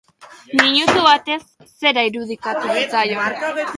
Minutu batez zera iruditu zitzaion...